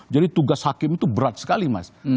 jadi tugas hakim itu berat sekali mas